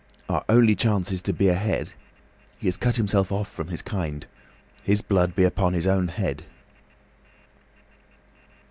Our only chance is to be ahead. He has cut himself off from his kind. His blood be upon his own head."